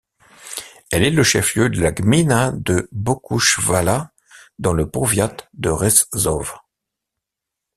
Elle est le chef-lieu de la gmina de Boguchwała, dans le powiat de Rzeszów.